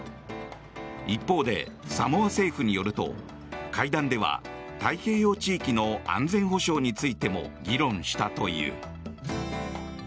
一方でサモア政府によると会談では太平洋地域の安全保障についても議論したという。